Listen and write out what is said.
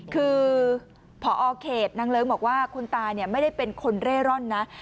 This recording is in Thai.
คือพอเขตนางเลิ้งบอกว่าคุณตาไม่ได้เป็นคนเร่ร่อนนะ